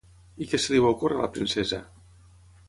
I què se li va ocórrer a la princesa?